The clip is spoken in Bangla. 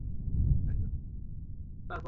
আমি সবার সামনে স্বাভাবিক থাকার ভান করছিলাম।